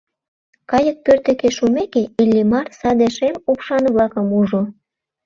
Кайык пӧрт деке шумеке, Иллимар саде шем упшан-влакым ужо.